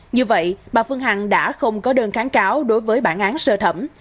như vậy bà phương hằng đã không có đơn kháng cáo đối với bản án sơ thẩm